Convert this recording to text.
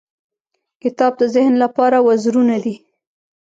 • کتاب د ذهن لپاره وزرونه دي.